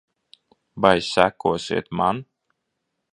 Vai sekosiet man?